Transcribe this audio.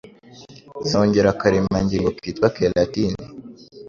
zongera akaremangingo kitwa keratine